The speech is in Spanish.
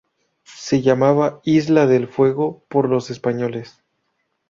Se llamaba "Isla del Fuego" por los españoles.